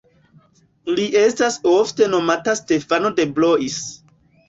Li estas ofte nomata Stefano de Blois.